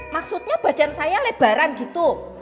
maksudnya badan saya lebaran gitu